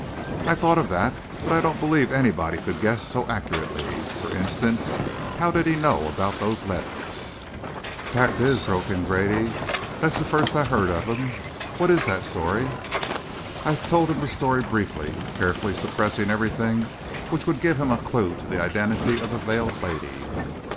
"I thought of that; but I don't believe anybody could guess so accurately. For instance, how did he know about those letters?" "Fact is," broke in Grady, "that's the first I'd heard of 'em. What is that story?" I told him the story briefly, carefully suppressing everything which would give him a clue to the identity of the veiled lady.